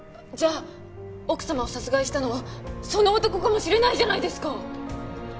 じゃあ奥様を殺害したのはその男かもしれないじゃないですか！